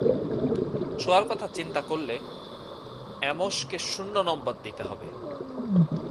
শোয়ার কথা চিন্তা করলে, অ্যামোসকে শূন্য নম্বর দিতে হবে।